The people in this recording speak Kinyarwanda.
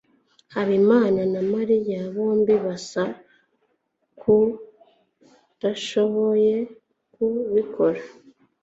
habimana na mariya bombi basa nkudashoboye kubikora